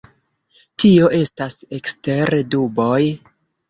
Tio estas ekster duboj.